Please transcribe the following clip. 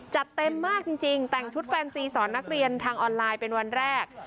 จัดเต็มมากจริงแต่งชุดแฟนซีสอนนักเรียนทางออนไลน์เป็นวันแรก